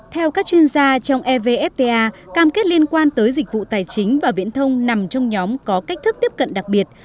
theo các chuyên gia trong evfta cam kết liên quan tới dịch vụ tài chính và viễn thông nằm trong nhóm có cách thức tiếp cận đặc biệt